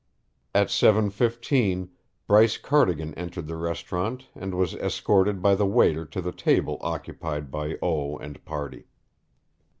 At 7:15 Bryce Cardigan entered the restaurant and was escorted by the waiter to the table occupied by O. and party.